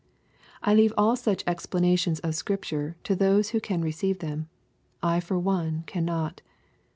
I leave all such explanations of Scripture to those who can re ceive them. I for one cannot.